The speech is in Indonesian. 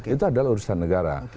itu adalah urusan negara